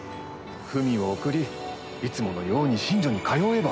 文を送りいつものように寝所に通えば。